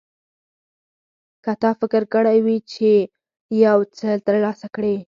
که تا فکر کړی وي چې یو څه ترلاسه کړې.